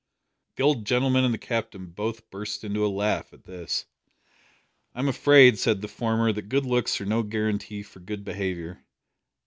The old gentleman and the Captain both burst into a laugh at this. "I'm afraid," said the former, "that good looks are no guarantee for good behaviour.